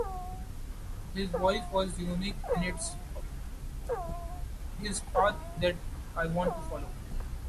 His voice was unique and it's his path that I want to follow.